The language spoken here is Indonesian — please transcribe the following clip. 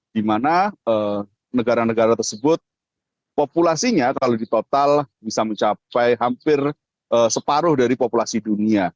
di mana negara negara tersebut populasinya kalau di total bisa mencapai hampir separuh dari populasi dunia